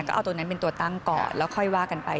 ก็เอาตัวนั้นเป็นตัวตั้งก่อนแล้วค่อยว่ากันไป